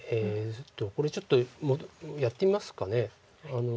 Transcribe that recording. これちょっとやってみますか。